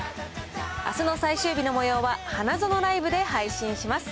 あすの最終日のもようは、ハナゾノライブで配信します。